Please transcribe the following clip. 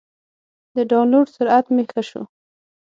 د ډاونلوډ سرعت مې ښه شو.